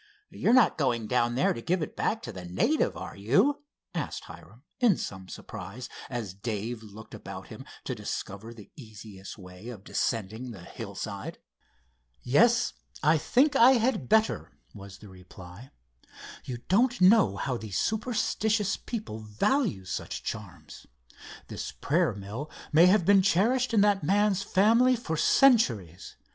"You're not going down there to give it back to the native; are you?" asked Hiram; in some surprise, as Dave looked about him to discover the easiest way of descending the hillside. "Yes, I think I had better," was the reply. "You don't know how these superstitious people value such charms. This prayer mill may have been cherished in that man's family for centuries.